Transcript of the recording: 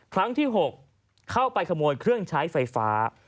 ครั้งที่๖เข้าไปขโมยเครื่องใช้ไฟฟ้า